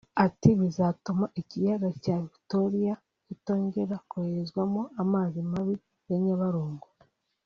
Ati "Bizatuma ikiyaga cya Victoria kitongera koherezwamo amazi mabi (ya Nyabarongo)